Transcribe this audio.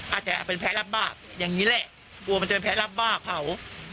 อาจจะเป็นแพ้รับบาปอย่างนี้แหละกลัวมันจะเป็นแพ้รับบ้าเขา